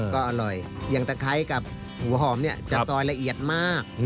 ก็อร่อยอย่างตะไคร้กับหูหอมเนี่ยจะซอยละเอียดมาก